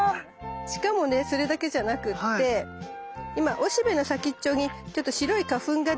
しかもねそれだけじゃなくって今おしべの先っちょにちょっと白い花粉が出てるよね。